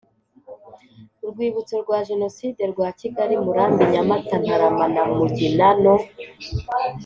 urwibutso rwa Jenoside rwa Kigali Murambi Nyamata Ntarama na Mugina no